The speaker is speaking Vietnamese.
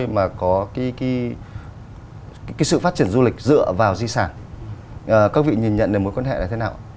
mà có sự phát triển du lịch dựa vào di sản các vị nhìn nhận về mối quan hệ là thế nào